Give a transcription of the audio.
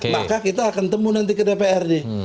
maka kita akan nanti ketemu ke dpr